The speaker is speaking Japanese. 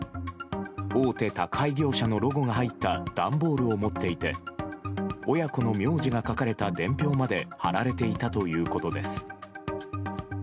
大手宅配業者のロゴが入った段ボールを持っていて親子の名字が書かれた伝票まで貼られていたということです。